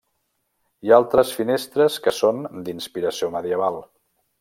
Hi ha altres finestres que són d'inspiració medieval.